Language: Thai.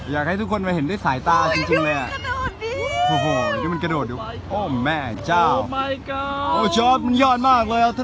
อยากให้ทุกคนมาเห็นด้วยสายตาจริงเลยอ่ะ